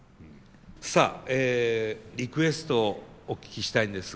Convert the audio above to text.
さあリクエストをお聞きしたいんですが。